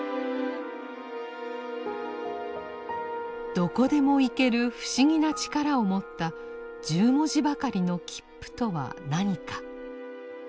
どこでも行ける不思議な力を持った１０文字ばかりの「切符」とは何か。